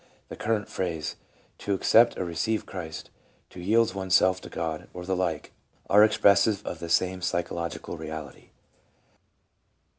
The cur rent phrases: " to accept or receive Christ," " to yield one's self to God," or the like, are expressive of the same psychological reality.